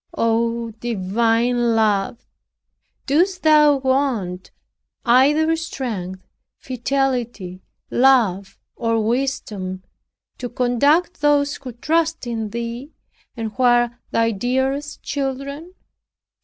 Oh, divine Love! Dost thou want either strength, fidelity, love, or wisdom, to conduct those who trust in thee and who are thy dearest children?